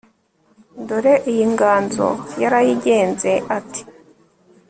Dore iyi nganzo yarayigenze Ati